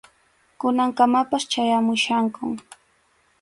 Kunankamapas chayamuchkankum.